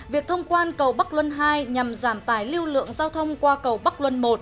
việc thông quan cầu bắc luân hai nhằm giảm tài lưu lượng giao thông qua cầu bắc luân một